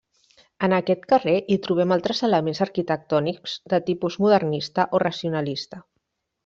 En aquest carrer hi trobem altres elements arquitectònics de tipus modernista o racionalista.